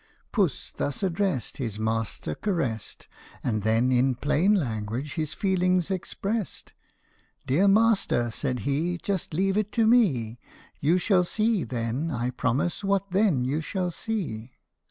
Puss, thus addressed, his master caressed, And then in plain language his feelings expressed. ' Dear master," said he, " just leave it to me ; You shall see, then, I promise, what then you shall see.